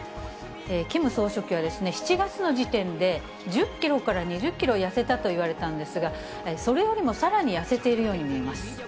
キム総書記は、７月の時点で１０キロから２０キロ痩せたといわれたんですが、それよりもさらに痩せているように見えます。